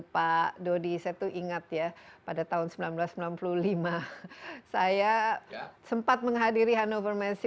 pak dodi saya tuh ingat ya pada tahun seribu sembilan ratus sembilan puluh lima saya sempat menghadiri hannover messi